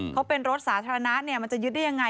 เขาเป็นรถสาธารณะมันจะยึดได้ยังไง